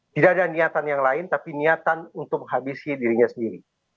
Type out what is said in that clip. tidak ada niatan yang lain tapi niatan untuk menghabisi dirinya sendiri